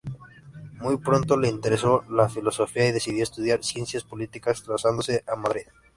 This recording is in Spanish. Muy pronto le interesó la filosofía y decidió estudiar Ciencias Políticas trasladándose a Madrid.